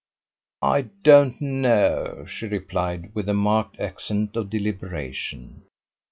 "I don't know," she replied, with a marked accent of deliberation.